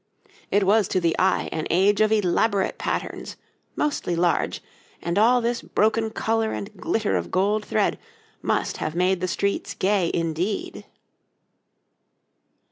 It was to the eye an age of elaborate patterns mostly large and all this broken colour and glitter of gold thread must have made the streets gay indeed.